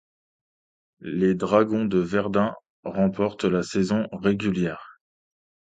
Les Dragons de Verdun remportent la saison régulière.